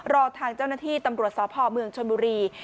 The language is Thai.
รอทางเจ้าหน้าที่ตำรวจสพเมืองชนบุรี